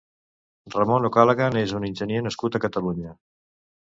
Ramon O'Callaghan és un enginyer nascut a Catalunya.